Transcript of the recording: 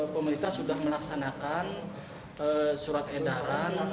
pemerintah sudah melaksanakan surat edaran